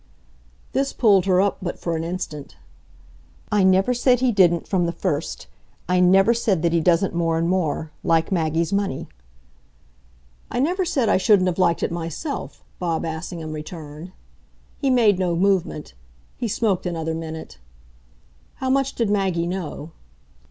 This pulled her up but for an instant. "I never said he didn't from the first I never said that he doesn't more and more like Maggie's money." "I never said I shouldn't have liked it myself," Bob Assingham returned. He made no movement; he smoked another minute. "How much did Maggie know?"